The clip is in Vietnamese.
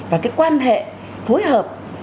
và cái quan hệ phối hợp